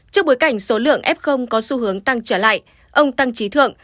trước bối cảnh số lượng f có xu hướng tăng trở lại ông tăng trí thượng